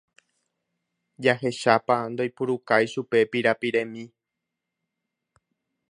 Jahechápa ndoipurukái chupe pirapiremi.